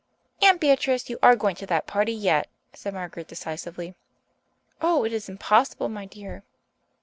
"Aunt Beatrice, you are going to that party yet," said Margaret decisively. "Oh, it is impossible, my dear."